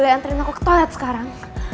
boleh antriin aku ke toilet sekarang